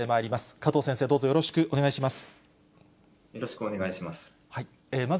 加藤先生、どうぞよろしくお願いします。